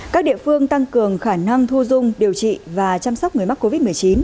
các địa phương tăng cường khả năng thu dung điều trị và chăm sóc người mắc covid một mươi chín